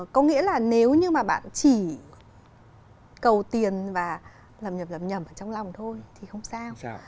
có nghĩa là nếu như mà bạn chỉ cầu tiền và lầm nhầm lầm nhầm trong lòng thôi thì không sao